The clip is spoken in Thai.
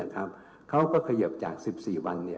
เขาก็เขยิบจาก๑๔วัน